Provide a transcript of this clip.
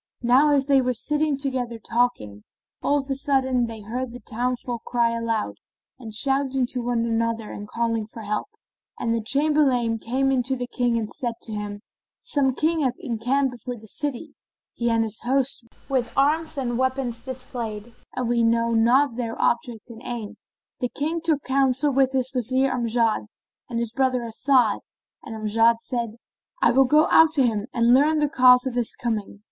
Now as they were sitting together talking, of a sudden they heard the towns folk crying aloud and shouting to one another and calling for help; and the Chamberlain came in to the King and said to him, "Some King hath encamped before the city, he and his host, with arms and weapons displayed, and we know not their object and aim." The King took counsel with his Wazir Amjad and his brother As'ad; and Amjad said, "I will go out to him and learn the cause of his coming."